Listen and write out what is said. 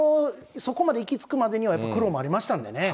そこまで行きつくまでにはやっぱり苦労もありましたんでね。